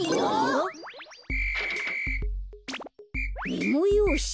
メモようし？